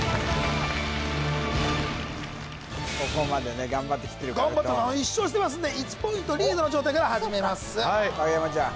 ここまでね頑張ってきてるから頑張ってる１勝してますんで１ポイントリードの状態から始めます影山ちゃん